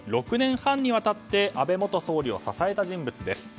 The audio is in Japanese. ６年半にわたって安倍元総理を支えた人物です。